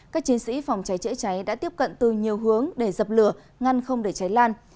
các chiến sĩ phòng cháy chữa cháy đã tiếp cận từ nhiều hướng để dập lửa ngăn không để cháy lan